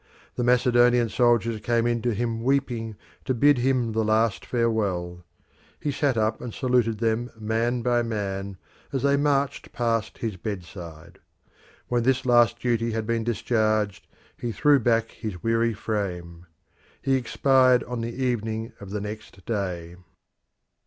The Macedonian soldiers came in to him weeping to bid him the last farewell. He sat up and saluted them man by man as they marched past his bedside. When this last duty had been discharged he threw back his weary frame. He expired on the evening of the next day.